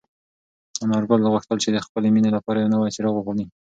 انارګل غوښتل چې د خپلې مېنې لپاره یو نوی څراغ واخلي.